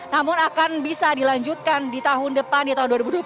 namun akan bisa dilanjutkan di tahun depan di tahun dua ribu dua puluh satu